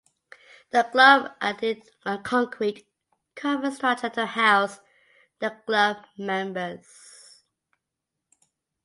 The club added a concrete covered structure to house the club members.